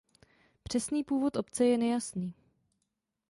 Přesný původ obce je nejasný.